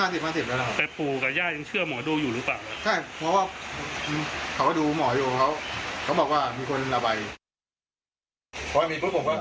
ในปะโยเขาบอกว่ามีคนละไบ